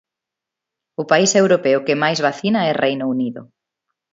O país europeo que máis vacina é Reino Unido.